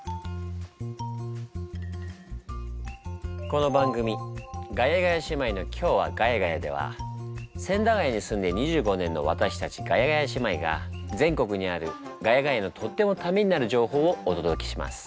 この番組「ガヤガヤ姉妹の今日はガヤガヤ」では千駄ヶ谷に住んで２５年のわたしたちガヤガヤ姉妹が全国にある「ヶ谷街」のとってもタメになる情報をおとどけします。